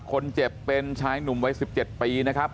คนเจ็บเป็นชายหนุ่มวัย๑๗ปีนะครับ